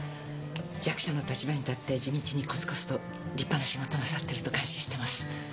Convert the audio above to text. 弱者の立場に立って地道にコツコツと立派な仕事なさってると感心してます。